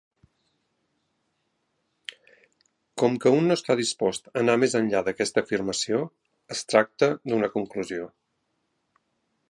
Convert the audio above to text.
Com que un no està dispost a anar més enllà d'aquesta afirmació, es tracta d'una conclusió.